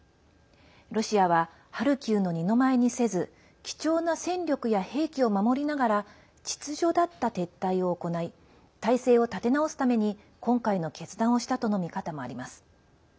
ロシアは、ハルキウの二の舞にせず貴重な戦力や兵器を守りながら秩序だった撤退を行い体勢を立て直すために今回の決断をしたとの見方もあります。